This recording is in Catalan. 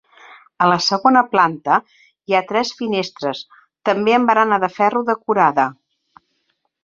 A la segona planta hi ha tres finestres, també amb barana de ferro decorada.